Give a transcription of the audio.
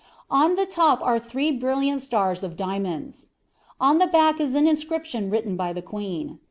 On the top are three brilliant stars of diamonds. On the back is an inscription written by the Queen.